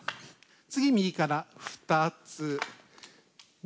次右から２つ３つ。